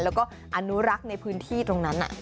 แล้วก็อนุรักษ์ในพื้นที่ตรงนั้น